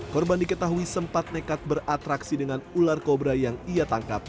korban diketahui sempat nekat beratraksi dengan ular kobra yang ia tangkap